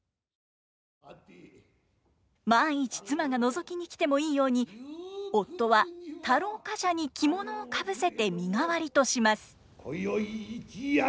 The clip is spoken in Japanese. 万一妻がのぞきに来てもいいように夫は太郎冠者に着物をかぶせて身代わりとします。